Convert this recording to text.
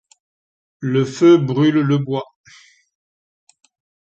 le feu brulle le bois